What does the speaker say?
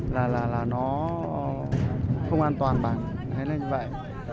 là nó không an toàn bằng hay là như vậy